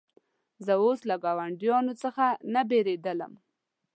زه اوس له ګاونډیانو څخه نه بېرېدلم.